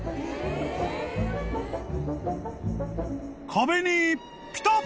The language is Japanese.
［壁にピタッ！］